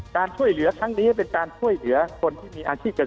การช่วยเหลือครั้งนี้เป็นการช่วยเหลือคนที่มีอาชีพเกษตร